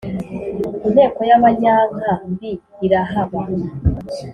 inteko y' abanyanka mbi irahaba